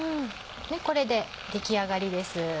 これで出来上がりです。